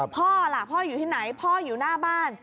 พ่ออยู่ที่ไหนพ่ออยู่หน้าบ้าน